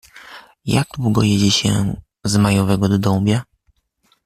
Jak długo jedzie się z Majowego do Dąbia?